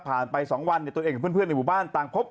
ไป๒วันตัวเองกับเพื่อนในหมู่บ้านต่างพบ